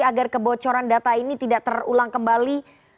agar kebocoran data ini tidak terulang kembali